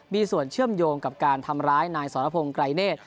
มีส่วนเชื่อมโยงกับการทำร้ายนายสรพงศ์ไกรเนธ